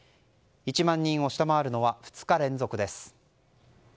１万人を下回るのは２日連続です。